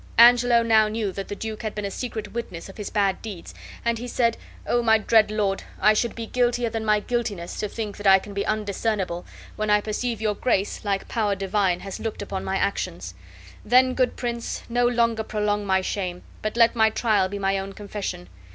Angelo now knew the duke had been a secret witness of his bad deeds, and be said: "O my dread lord, I should be guiltier than my guiltiness, to think I can be undiscernible, when I perceive your Grace, like power divine, has looked upon my actions. Then, good prince, no longer prolong my shame, but let my trial be my own confession.